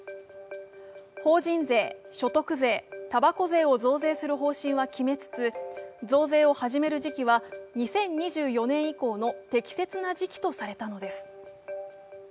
法人税、所得税、たばこ税を増税する方針は決めつつ増税を始める時期は２０２４年以降の適切な時期とされたのです。